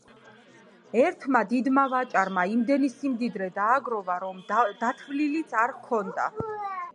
ერთმა დიდმა ვაჭარმა იმდენი სიმდიდრე დააგროვა, რომ დათვლილიც არ ჰქონდა.